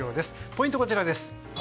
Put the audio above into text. ポイントはこちらです。